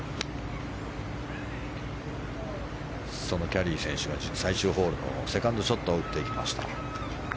キャリー選手が最終ホールのセカンドショットを打っていきました。